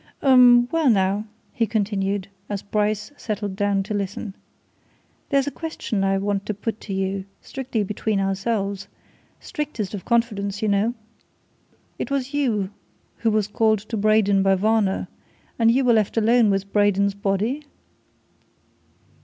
Um well, now," he continued, as Bryce settled down to listen. "There's a question I want to put to you strictly between ourselves strictest of confidence, you know. It was you who was called to Braden by Varner, and you were left alone with Braden's body?"